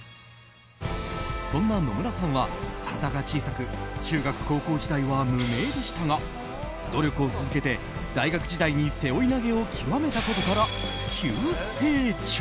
そんな野村さんは体が小さく中学・高校時代は無名でしたが努力を続けて、大学時代に背負い投げを極めたことから急成長。